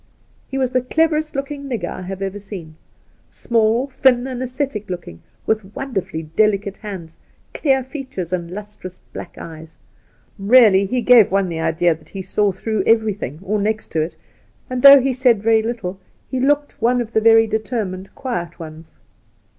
He was the cleverest looking nigger I have ever seen. Small, thin, and ascetic looking, with wonderfully delicate hands, clear features, and lustrous black eyes, Eeally, he gave one the idea that he saw through everything, or next to it, and though he said very little, he looked one of the very determined quiet ones.